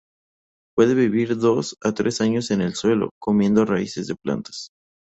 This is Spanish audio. Pueden vivir dos o tres años en el suelo, comiendo raíces de plantas.